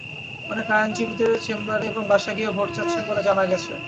অনেকে আইনজীবীদের চেম্বারে এবং বাসায় গিয়েও ভোট চাচ্ছেন বলে জানা গেছে।